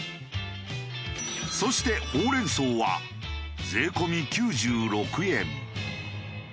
そしてほうれん草は税込み９６円。